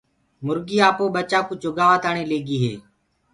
مُرگي آپو جآ ٻچآ ڪوُ چگآوآ تآڻي ليگي هي۔